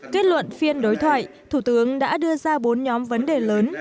kết luận phiên đối thoại thủ tướng đã đưa ra bốn nhóm vấn đề lớn